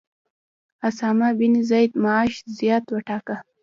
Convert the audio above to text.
اسامه بن زید معاش زیات وټاکه.